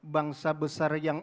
bangsa besar yang